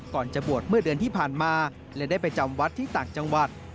ก่อนจะบวชเมื่อเดือนที่ผ่านมาและได้ไปจำวัดที่ต่างจังหวัด